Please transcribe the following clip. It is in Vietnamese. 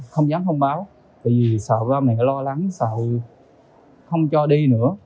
không dám thông báo tại vì sợ ba mẹ lo lắng sợ không cho đi nữa